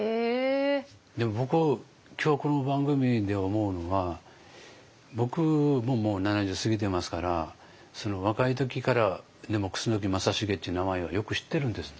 でも僕今日この番組で思うのは僕ももう７０過ぎてますから若い時から楠木正成っていう名前はよく知ってるんです。